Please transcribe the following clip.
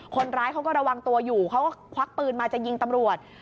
คนร้ายเขาก็ระวังตัวอยู่เขาก็ควักปืนมาจะยิงตำรวจ